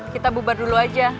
kita bubar dulu aja